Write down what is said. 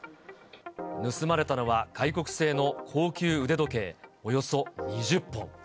盗まれたのは外国製の高級腕時計、およそ２０本。